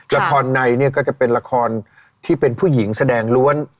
ละครในเนี่ยก็จะเป็นละครที่เป็นผู้หญิงแสดงล้วน